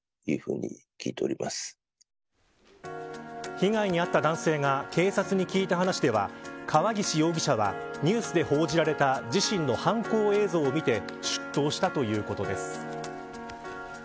被害に遭った男性が警察に聞いた話では川岸容疑者はニュースで報じられた自身の犯行映像を見て出頭したということです。